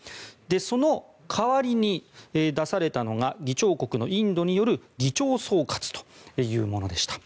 その代わりに出されたのが議長国のインドによる議長総括というものでした。